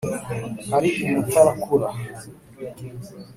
ari i mutarakura.